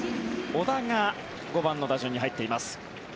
小田が５番の打順に入っています。